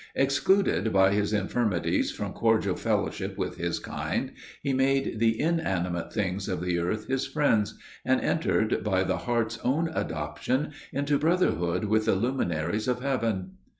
Excluded by his infirmities from cordial fellowship with his kind, he made the inanimate things of the earth his friends, and entered, by the heart's own adoption, into brotherhood with the luminaries of heaven!